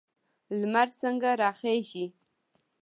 لمر څنګه راخیږي؟